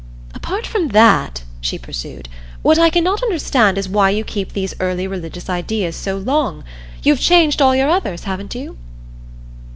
"Apart from that," she pursued, "what I cannot understand is why you keep these early religious ideas so long. You have changed all your others, haven't you?"